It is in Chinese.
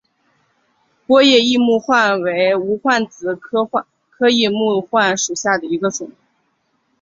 波叶异木患为无患子科异木患属下的一个种。